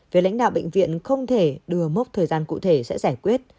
về lãnh đạo bệnh viện không thể đưa mốc thời gian cụ thể sẽ giải quyết